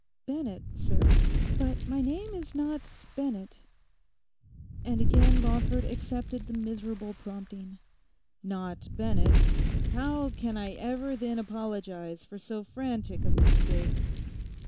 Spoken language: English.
'Bennett, sir; but my name is not Bennett.' And again Lawford accepted the miserable prompting. 'Not Bennett!... How can I ever then apologise for so frantic a mistake?